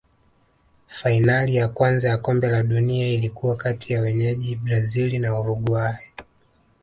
fainali ya kwanza ya kombe la dunia ilikuwa kati ya wenyeji brazil na uruguay